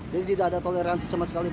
jadi tidak ada toleransi sama sekali